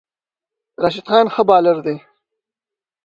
راشد خان ښه بالر دی